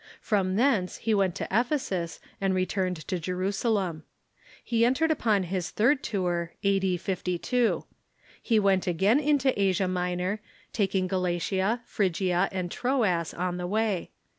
From thence he Avent to Ephesus, and returned to Jerusalem. He entered upon his third tour a.d. 52. He Avent again into Asia Minor, taking Galatia, Phrygia, and Troas on the way.